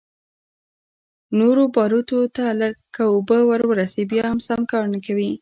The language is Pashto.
نورو باروتو ته که اوبه ورورسي بيا سم کار نه کوي.